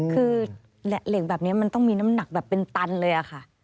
คือเหล็กแบบนี้มันต้องมีน้ำหนักแบบเป็นตันเลยค่ะ